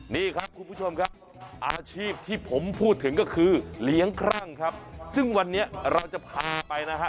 นี่ครับคุณผู้ชมครับอาชีพที่ผมพูดถึงก็คือเลี้ยงครั่งครับซึ่งวันนี้เราจะพาไปนะฮะ